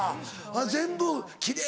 全部奇麗？